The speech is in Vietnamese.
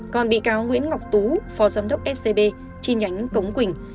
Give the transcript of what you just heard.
còn bị cáo nguyễn ngọc tú phó giám đốc scb chi nhánh cống quỳnh